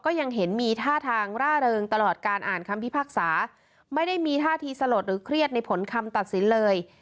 ยังเห็นมีท่าทางร่าเริงตลอดการอ่านคำพิพากษาไม่ได้มีท่าทีสลดหรือเครียดในผลคำตัดสินเลย